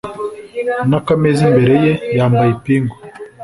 nakameza imbere ye, yambaye ipingu,